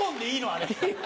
あれ。